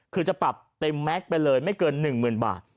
คือจะปรับเต็มแม็กซ์ไปเลยไม่เกิน๑๐๐๐บาท